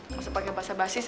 masa pakai bahasa basis